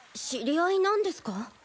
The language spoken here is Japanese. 知り合いなんですか？